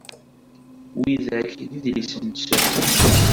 Widak d idlisen-nsen.